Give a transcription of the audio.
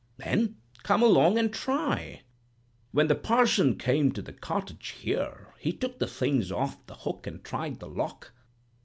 "'Then come along and try.' When the parson came to the cottage here, he took the things off the hook and tried the lock.